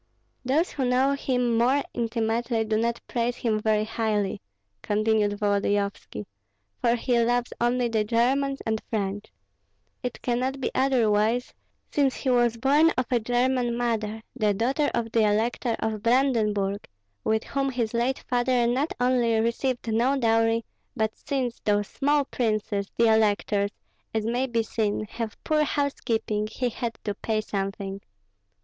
"Those who know him more intimately do not praise him very highly," continued Volodyovski, "for he loves only the Germans and French. It cannot be otherwise, since he was born of a German mother, the daughter of the elector of Brandenburg, with whom his late father not only received no dowry, but, since those small princes (the electors) as may be seen have poor housekeeping, he had to pay something.